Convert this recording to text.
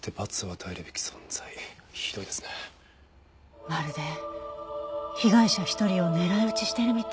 まるで被害者一人を狙い撃ちしてるみたい。